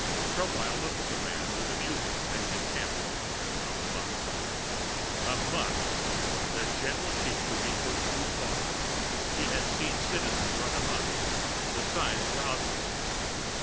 Tropile looked at the man with amusement and contempt. Amok! The gentle sheep could be pushed too far. He had seen Citizens run amok, the signs were obvious.